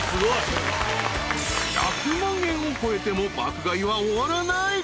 ［１００万円を超えても爆買いは終わらない］